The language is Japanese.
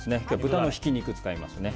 今日は豚のひき肉を使います。